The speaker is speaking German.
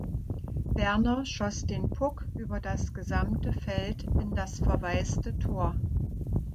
Verner schoss den Puck über das gesamte Feld in das verwaiste Tor.